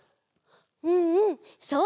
うんうんそう！